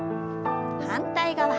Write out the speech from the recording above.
反対側。